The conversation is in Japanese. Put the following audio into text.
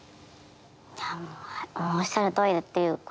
いやあもうおっしゃるとおりっていうことばかりで。